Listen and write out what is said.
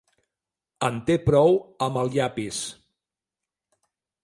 En té prou amb el llapis.